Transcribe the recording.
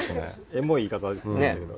エモい言い方でしたけど。